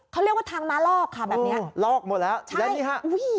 เขาเรียกว่าทางม้าลอกค่ะแบบนี้แล้วนี่ฮะ